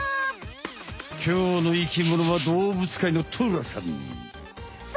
きょうの生きものはどうぶつかいのトラさん。